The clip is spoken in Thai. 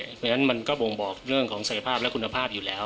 เพราะฉะนั้นมันก็บ่งบอกเรื่องของศักยภาพและคุณภาพอยู่แล้ว